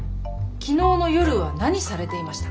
昨日の夜は何されていましたか？